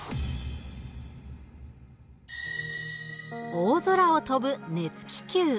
大空を飛ぶ熱気球。